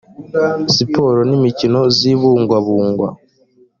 siporo n imikino zibungwabungwa